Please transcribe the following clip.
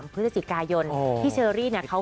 พฤศจิกายนพี่เชอรี่เนี่ย